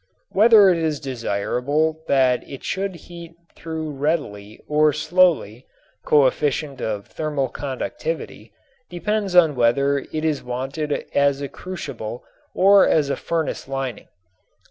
Whether it is desirable that it should heat through readily or slowly (coefficient of thermal conductivity) depends on whether it is wanted as a crucible or as a furnace lining.